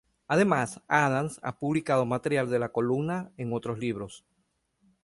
Además Adams ha publicado material de la columna en otros libros.